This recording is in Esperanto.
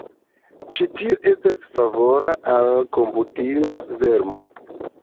Ĉi tio estas favora al komputila vermo.